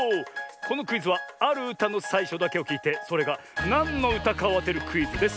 このクイズはあるうたのさいしょだけをきいてそれがなんのうたかをあてるクイズです。